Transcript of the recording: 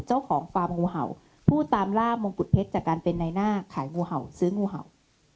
เจ้าของฟาร์มงูเห่าผู้ตามล่ามงกุฎเพชรจากการเป็นในหน้าขายงูเห่าซื้องูเห่า